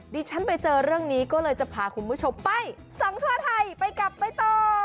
ฉันไปเจอเรื่องนี้ก็เลยจะพาคุณผู้ชมไปส่องทั่วไทยไปกับใบต่อ